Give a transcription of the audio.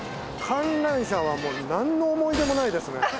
観覧車はもう何の思い出もないですね